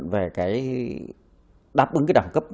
về cái đáp ứng cái đẳng cấp